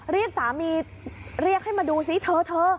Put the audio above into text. เรียกสามีเรียกให้มาดูซิเธอเธอ